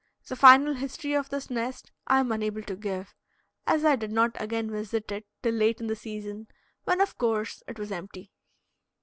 The final history of this nest I am unable to give, as I did not again visit it till late in the season, when, of course, it was empty.